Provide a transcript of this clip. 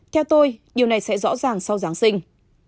theo tôi điều này sẽ rõ ràng sau giáng sinh